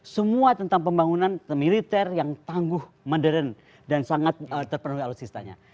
semua tentang pembangunan militer yang tangguh modern dan sangat terpenuhi alutsistanya